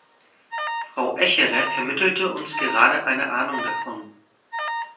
Frau Echerer vermittelte uns gerade eine Ahnung davon.